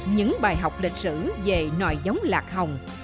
những bài học lịch sử về nòi giống lạc hồng